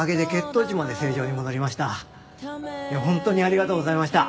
いや本当にありがとうございました。